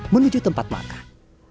menuju tempat makan